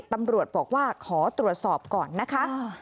ตำรวจบอกว่าขอตรวจสอบก่อนนะคะ